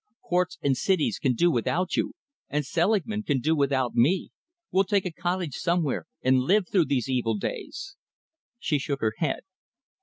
"Courts and cities can do without you, and Selingman can do without me. We'll take a cottage somewhere and live through these evil days." She shook her head.